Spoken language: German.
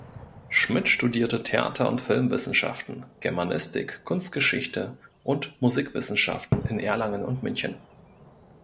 Schmid studierte Theater- und Filmwissenschaften, Germanistik, Kunstgeschichte und Musikwissenschaften in Erlangen und München.